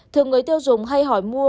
thường người tiêu dùng hay hỏi mua